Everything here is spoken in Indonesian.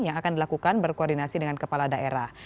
yang akan dilakukan berkoordinasi dengan kepala daerah